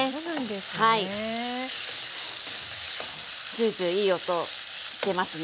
ジュージューいい音してますね。